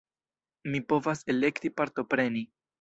Ni povas elekti partopreni.